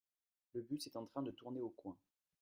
Le bus est en train de tourner au coin.